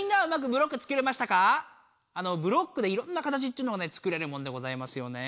ブロックでいろんな形というのをねつくれるもんでございますよね。